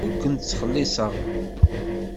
Ur ken-ttxelliṣeɣ.